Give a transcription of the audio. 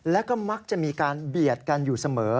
แล้วก็มักจะมีการเบียดกันอยู่เสมอ